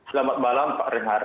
selamat malam pak rehar